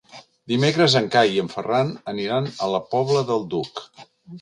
Dimecres en Cai i en Ferran aniran a la Pobla del Duc.